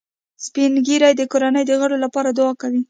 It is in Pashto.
سپین ږیری د کورنۍ د غړو لپاره دعا کوي